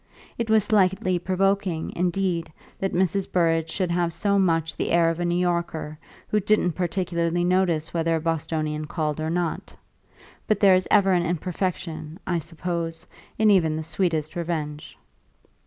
It was slightly provoking, indeed, that Mrs. Burrage should have so much the air of a New Yorker who didn't particularly notice whether a Bostonian called or not; but there is ever an imperfection, I suppose, in even the sweetest revenge.